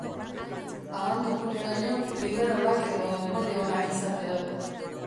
Ahal duguneraino liberalak edo emaile onak izatea.